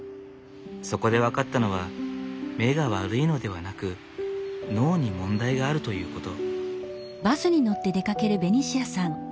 そこで分かったのは目が悪いのではなく脳に問題があるということ。